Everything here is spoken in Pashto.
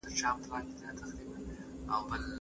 ایا مطالعه په ژوند کي بدلون راولي؟